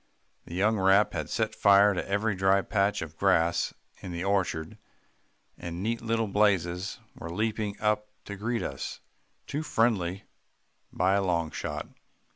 The young rap had set fire to every dry patch of grass in the orchard, and neat little blazes were leaping up to greet us too friendly by a long shot."